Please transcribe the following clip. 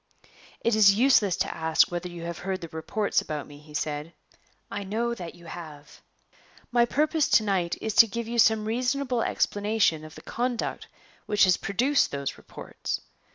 "It is useless to ask whether you have heard the reports about me," he said; "I know that you have. My purpose to night is to give you some reasonable explanation of the conduct which has produced those reports.